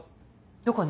どこに？